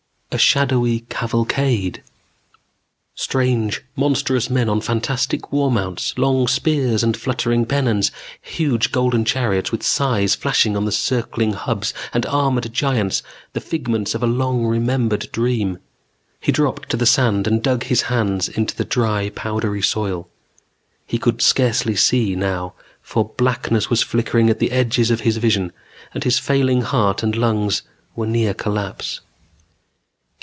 A shadowy cavalcade. Strange monstrous men on fantastic war mounts, long spears and fluttering pennons. Huge golden chariots with scythes flashing on the circling hubs and armored giants, the figments of a long remembered dream He dropped to the sand and dug his hands into the dry powdery soil. He could scarcely see now, for blackness was flickering at the edges of his vision and his failing heart and lungs were near collapse.